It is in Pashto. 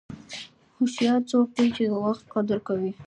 هوښیار څوک دی چې د وخت قدر کوي.